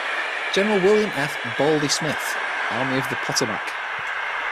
General William F. "Baldy" Smith, Army of the Potomac.